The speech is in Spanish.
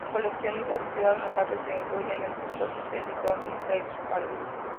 Entre los coleccionistas privados notables se incluyen, entre otros, Eli Broad y Gwyneth Paltrow.